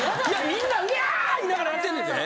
みんな「ギャー！」言いながらやってんねんで。